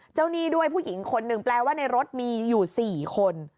หนี้ด้วยผู้หญิงคนหนึ่งแปลว่าในรถมีอยู่๔คน